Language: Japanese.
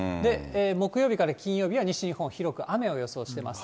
木曜日から金曜日は西日本、広く雨を予想しています。